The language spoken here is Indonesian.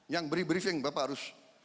yang beri briefing bapak harus